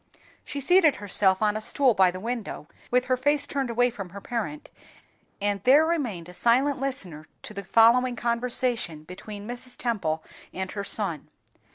She seated herself on a stool by the window, with her face turned away from her parent, and there remained a silent listener to the following conversation between Mrs. Temple and her son.